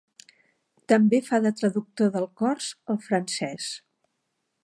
També fa de traductor del cors al francès.